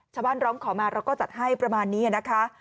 ร้องขอมาเราก็จัดให้ประมาณนี้นะคะ